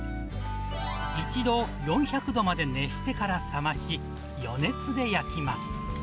一度、４００度まで熱してから冷まし、余熱で焼きます。